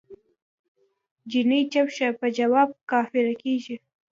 جینی چپ شه په جواب کافره کیږی